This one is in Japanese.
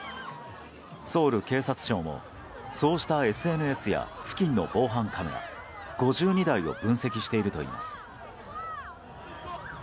ソウル警察庁もそうしたＳＮＳや付近の防犯カメラ５２台を分析しているといいます。